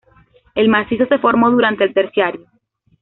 El macizo se formó durante el Terciario.